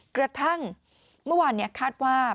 กระทั่งเมื่อวานคาดว่า